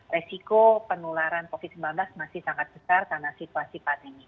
resiko penularan covid sembilan belas masih sangat besar karena situasi pandemi